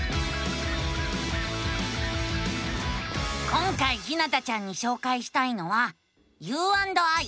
今回ひなたちゃんにしょうかいしたいのは「ｕ＆ｉ」。